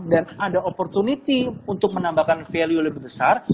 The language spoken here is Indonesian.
dan ada opportunity untuk menambahkan value lebih besar